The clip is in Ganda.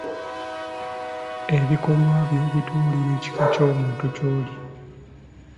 Ebikolwa byo bitubuulira ekika ky'omuntu ky'oli.